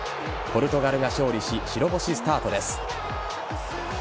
ポルトガルが勝利し白星スタートです。